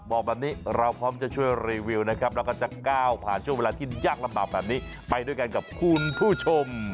บอกแบบนี้เราพร้อมจะช่วยรีวิวนะครับแล้วก็จะก้าวผ่านช่วงเวลาที่ยากลำบากแบบนี้ไปด้วยกันกับคุณผู้ชม